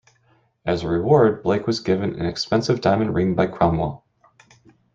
As a reward Blake was given an expensive diamond ring by Cromwell.